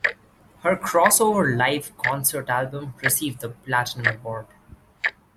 Her Crossover Live Concert album received the Platinum Award.